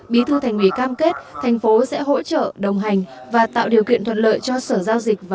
bí thư thành ủy cam kết thành phố sẽ hỗ trợ đồng hành và tạo điều kiện thuận lợi cho sở giao dịch